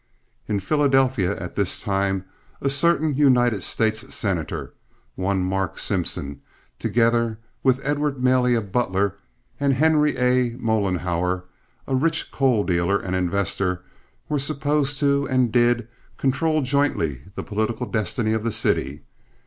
In Philadelphia at this time a certain United States Senator, one Mark Simpson, together with Edward Malia Butler and Henry A. Mollenhauer, a rich coal dealer and investor, were supposed to, and did, control jointly the political destiny of the city.